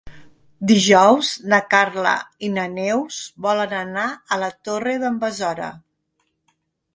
Dijous na Carla i na Neus volen anar a la Torre d'en Besora.